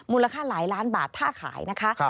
มูลค่าหลายล้านบาทถ้าขายนะคะ